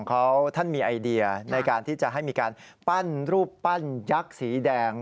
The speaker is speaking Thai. เขาท่านมีไอเดียในการที่จะให้มีการปั้นรูปปั้นยักษ์สีแดง